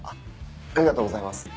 ありがとうございます。